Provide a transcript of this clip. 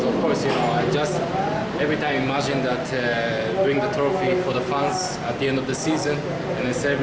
saya sangat teruja karena saya hanya mengingatkan bahwa saya akan membawa trofi untuk fans di akhir musim dan kita berkumpul